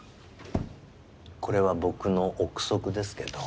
これは僕の臆測ですけど。